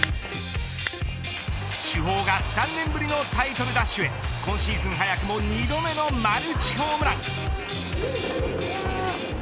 主砲が３年ぶりのタイトル奪取へ今シーズン早くも２度目のマルチホームラン。